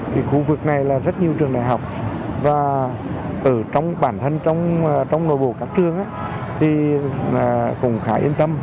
cái khu vực này là rất nhiều trường đại học và ở trong bản thân trong nội bộ các trường thì cũng khá yên tâm